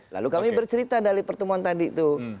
lalu kami bercerita dari pertemuan tadi itu